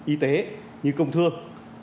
y tế như công thương